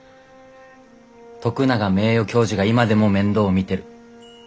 徳永名誉教授が今でも面倒を見てる。